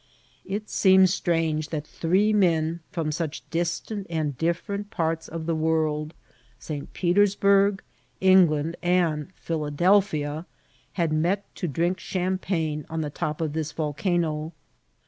It seemed strange that three men from such distant and different parts of the world, St. Petersburgh, Eng land, and Pkiladelphiay had met to drink Champagne on the top of this volcano.